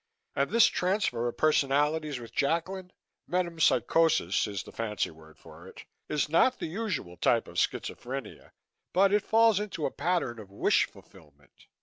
And this transfer of personalities with Jacklin metempsychosis is the fancy word for it is not the usual type of schizophrenia, but it falls into a pattern of wish fulfillment.